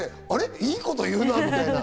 いいこと言うなぁみたいな。